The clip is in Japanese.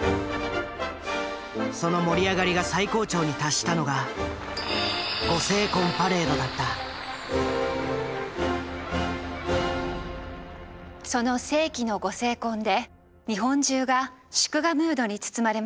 その盛り上がりが最高潮に達したのがその世紀のご成婚で日本中が祝賀ムードに包まれました。